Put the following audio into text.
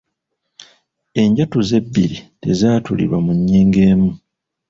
Enjatuza ebbiri tezaatulirwa mu nnyingo emu.